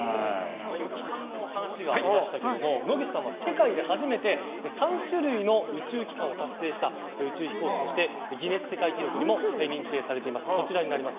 帰還の話がありましたが野口さんは世界で初めて３種類の宇宙機関を達成した宇宙飛行士としてギネス記録に認定されています。